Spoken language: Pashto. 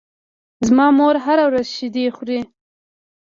زما مور هره ورځ شیدې خوري.